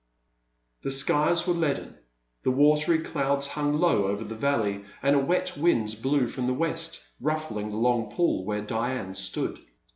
THE skies were leaden, the watery clouds hung low over the valley, and a wet wind blew from the west, ruffling the long pool where Diane stood.